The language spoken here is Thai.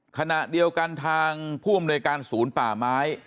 ขณะเดียวกันทางผู้อำนวยการศูนย์ป่าไม้